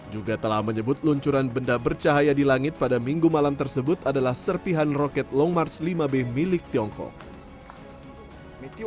juga telah menyebut luncuran benda bercahaya di langit pada minggu malam tersebut adalah serpihan roket long march lima b milik tiongkok